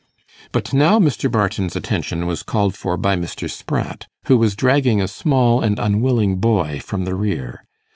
But now Mr. Barton's attention was called for by Mr. Spratt, who was dragging a small and unwilling boy from the rear.